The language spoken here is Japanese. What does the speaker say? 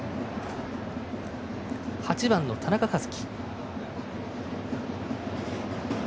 ８番の田中和基。